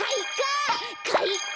かいか！